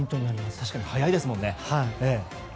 確かに、速いですものね。